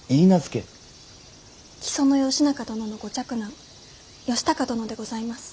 木曽義仲殿のご嫡男義高殿でございます。